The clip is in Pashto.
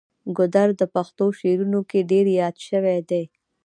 ګودر د پښتو شعرونو کې ډیر یاد شوی دی.